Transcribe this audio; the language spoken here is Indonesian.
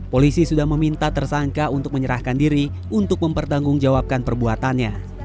polisi sudah meminta tersangka untuk menyerahkan diri untuk mempertanggungjawabkan perbuatannya